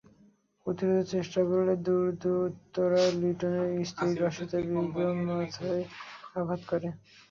প্রতিরোধের চেষ্টা করলে দুর্বৃত্তরা লিটনের স্ত্রী রাশেদা বেগমের মাথায় আঘাত করে।